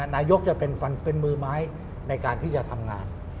นายกจะเป็นมือไม้ในการที่จะทำงาน